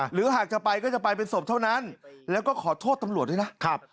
หรือหากจะไปก็จะไปเป็นศพเท่านั้นแล้วก็ขอโทษตำรวจด้วยนะครับ